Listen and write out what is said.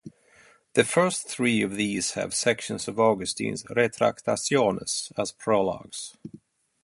The first three of these have sections of Augustine's "Retractationes" as prologues.